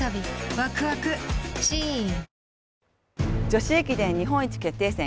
女子駅伝日本一決定戦